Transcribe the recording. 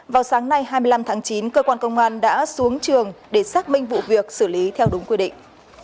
vào sáng nay hai mươi năm tháng chín cơ quan công an đã xuống trường để xác minh vụ việc xử lý theo đúng quy định